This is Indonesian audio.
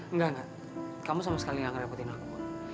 nggak nggak kamu sama sekali nggak ngerepotin aku